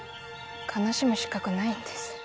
悲しむ資格ないんです。